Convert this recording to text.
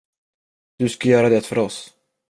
Du ska göra det för oss.